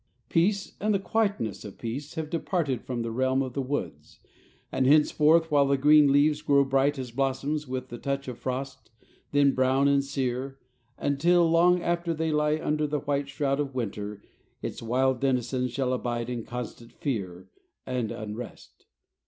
Peace and the quietness of peace have departed from the realm of the woods, and henceforth while the green leaves grow bright as blossoms with the touch of frost, then brown and sere, and till long after they lie under the white shroud of winter, its wild denizens shall abide in constant fear and unrest.